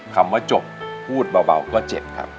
คำว่าจบพูดเบาก็เจ็บครับ